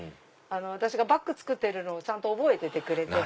私がバッグ作ってるのをちゃんと覚えててくれて。